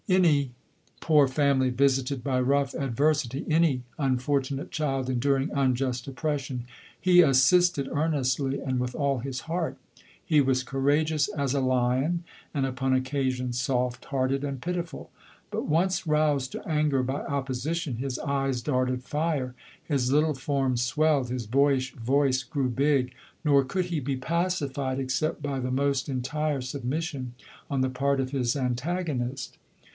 Anv poor family visited by rough adversity, any unfortunate child enduring unjust oppression, he assisted earnestly and with all his heart. He was courageous as a lion, and. upon occa sion, soft hearted and pitiful : but once roused to anger bv opposition, his eyes darted fire, his little form swelled, his boyish voice grew big, nor could he be pacified except by the most entire submission on the part of his antagonist.